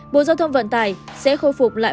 bộ giao thông vận tải sẽ khôi phục lại